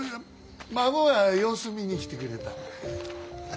孫が様子見に来てくれた。